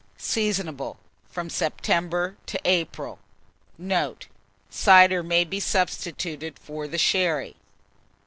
Seasonable from September to April. Note. Cider may be substituted for the sherry.